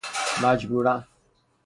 مجبوراً